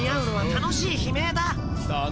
楽しい悲鳴？